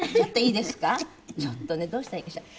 ちょっとねどうしたらいいかしら？